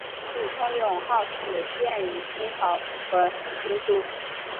普通勇号仅见于清前和清初。